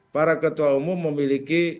para ketua umum memiliki